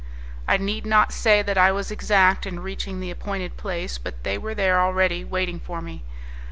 I need not say that I was exact in reaching the appointed place, but they were there already, waiting for me.